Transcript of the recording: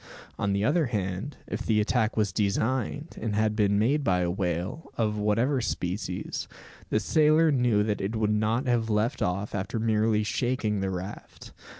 On the other hand, if the attack was designed, and had been made by a whale, of whatever species, the sailor knew that it would not have left off after merely shaking the raft.